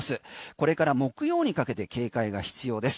これから木曜にかけて警戒が必要です。